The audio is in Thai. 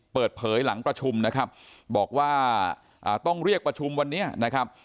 เปิดเผยหลังประชุมนะครับบอกว่าต้องเรียกประชุมวันนี้นะครับ